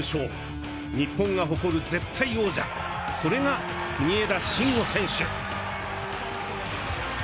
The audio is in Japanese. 日本が誇る絶対王者それが国枝慎吾選手。